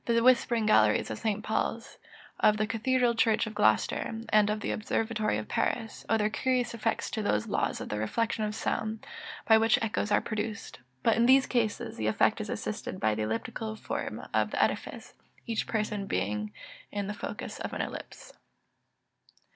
The whispering galleries of St. Paul's, of the cathedral church of Gloucester, and of the Observatory of Paris, owe their curious effects to those laws of the reflection of sound, by which echoes are produced; but in these cases the effect is assisted by the elliptical form of the edifice, each person being in the focus of an ellipse.